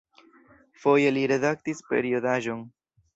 Foje li redaktis periodaĵon.